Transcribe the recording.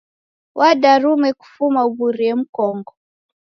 Wadarume kufuma uw'urie mkongo.